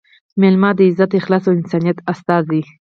مېلمه – د عزت، اخلاص او انسانیت استازی